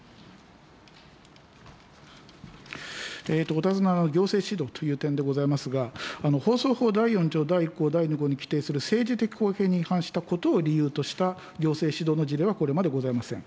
お尋ねの行政指導という点でございますが、放送法第４条第１項第２号に規定する政治的公平に違反したことを理由とした行政指導の事例はこれまでございません。